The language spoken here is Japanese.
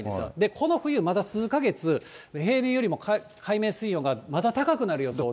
この冬まだ数か月、平年よりも海面水温がまだ高くなる予想で。